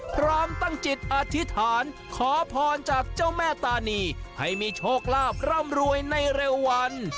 พร้อมตั้งจิตอธิษฐานขอพรจากเจ้าแม่ตานีให้มีโชคลาภร่ำรวยในเร็ววัน